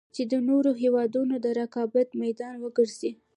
چـې د نـورو هېـوادونـو د رقـابـت مـيدان وګـرځـي.